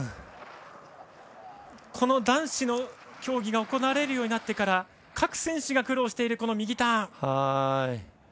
男子の競技が行われるようになってから各選手が苦労している右ターン。